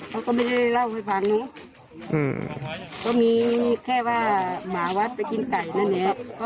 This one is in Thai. เขาก็ไม่ได้เล่าให้ฟังเนอะก็มีแค่ว่าหมาวัดไปกินไก่นั่นแหละ